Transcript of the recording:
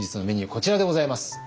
こちらでございます。